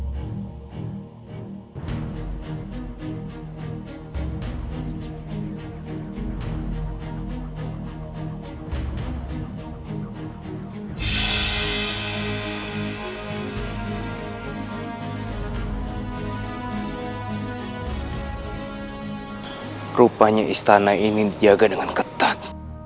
berarti rupanya istana ini dijaga dengan ketat